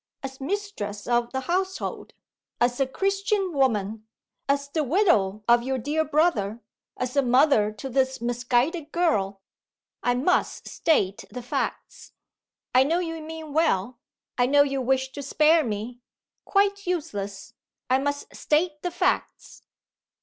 As mistress of the household, as a Christian woman, as the widow of your dear brother, as a mother to this misguided girl, I must state the facts. I know you mean well; I know you wish to spare me. Quite useless! I must state the facts."